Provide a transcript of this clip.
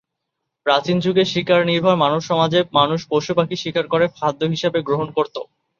প্রাচীন যুগে শিকার নির্ভর মানব সমাজে মানুষ পশুপাখি শিকার করে খাদ্য হিসেবে গ্রহণ করত।